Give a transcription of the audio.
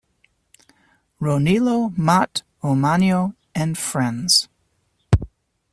Ronilo Maat Omanio and Fr.